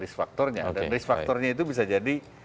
risk factornya dan risk factornya itu bisa jadi